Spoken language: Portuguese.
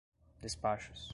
despachos